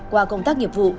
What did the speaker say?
qua công tác nghiệp vụ